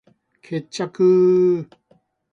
決着ゥゥゥゥゥ！